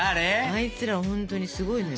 あいつらほんとにすごいのよ。